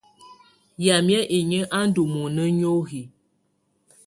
Yamɛ̀á inyǝ́ á ndù mɔna niohi.